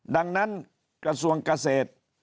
ดังนั้นกระทรวงเกษตร